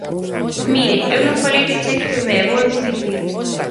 Mire, eu non falei de cheque-bebé, vólvoo dicir.